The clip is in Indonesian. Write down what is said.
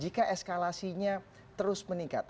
jika eskalasinya terus meningkat